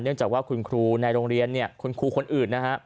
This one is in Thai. เนื่องจากว่าคุณครูในโรงเรียนคุณครูคนอื่น